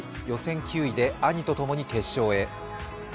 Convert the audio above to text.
予選９位で兄とともに決勝へ。